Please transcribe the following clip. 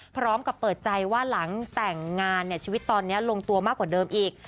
พร้อมกับเปิดใจว่าหลังแต่งงานชีวิตตอนนี้ลงตัวมากกว่าเดิมอีก